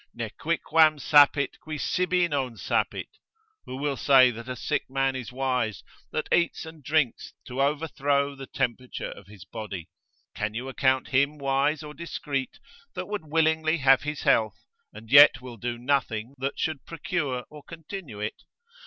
Nequicquam sapit qui sibi non sapit, who will say that a sick man is wise, that eats and drinks to overthrow the temperature of his body? Can you account him wise or discreet that would willingly have his health, and yet will do nothing that should procure or continue it?